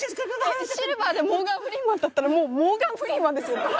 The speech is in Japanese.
シルバーでモーガン・フリーマンだったらもうモーガン・フリーマンですよね？